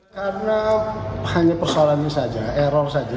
karena hanya persoalan ini saja error saja